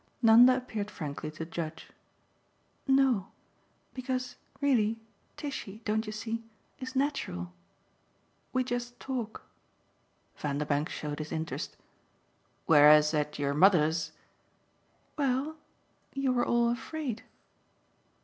Nanda appeared frankly to judge. "No because, really, Tishy, don't you see? is natural. We just talk." Vanderbank showed his interest. "Whereas at your mother's ?" "Well, you were all afraid."